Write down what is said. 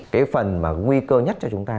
cái phần mà nguy cơ nhất cho chúng ta